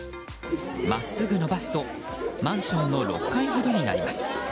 真っすぐ伸ばすとマンションの６階ほどになります。